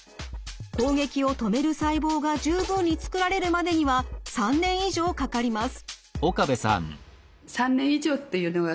攻撃を止める細胞が十分に作られるまでには３年以上かかります。